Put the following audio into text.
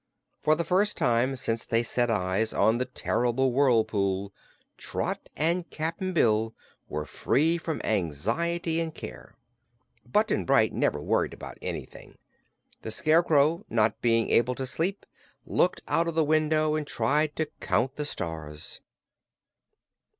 For the first time since they set eyes on the terrible whirlpool, Trot and Cap'n Bill were free from anxiety and care. Button Bright never worried about anything. The Scarecrow, not being able to sleep, looked out of the window and tried to count the stars.